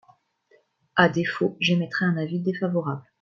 À défaut, j’émettrais un avis défavorable.